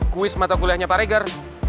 kuis mata kuliahnya pak reger